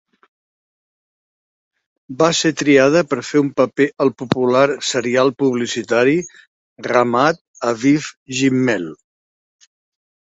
Va ser triada per fer un paper al popular serial publicitari "Ramat Aviv Gimmel".